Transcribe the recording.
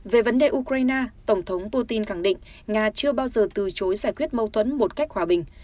về vấn đề ukraine tổng thống putin khẳng định nga chưa bao giờ từ chối giải quyết mâu thuẫn một cách hòa bình